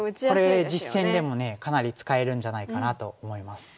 これ実戦でもねかなり使えるんじゃないかなと思います。